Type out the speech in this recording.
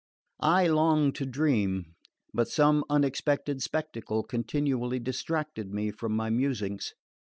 "I longed to dream, but some unexpected spectacle continually distracted me from my musings.